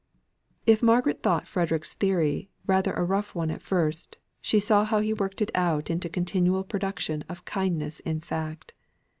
If Margaret thought Frederick's theory rather a rough one at first, she saw how he worked it out into continual production of kindness in fact.